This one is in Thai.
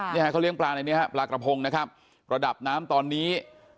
เนี่ยฮะเขาเลี้ยปลาในนี้ฮะปลากระพงนะครับระดับน้ำตอนนี้